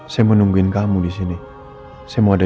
sama minum susu ya